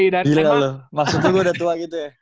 bila loh maksudnya gue udah tua gitu ya